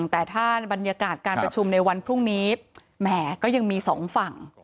แต่ถ้าบรรยากาศการประชุมในวันพรุ่งนี้แหมก็ยังมีสองฝั่ง